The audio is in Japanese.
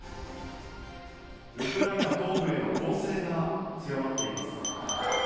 ウクライナ東部への攻勢が強まっています。